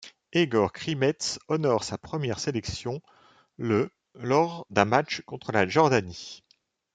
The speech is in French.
Egor Krimets honore sa première sélection le lors d'un match contre la Jordanie.